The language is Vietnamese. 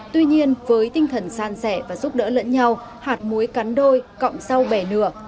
tuy nhiên với tinh thần san sẻ và giúp đỡ lẫn nhau hạt muối cắn đôi cộng sau bẻ nửa